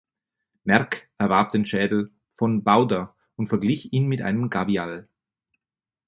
Merck erwarb den Schädel von Bauder und verglich ihn mit einem Gavial.